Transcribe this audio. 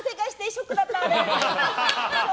ショックだったので。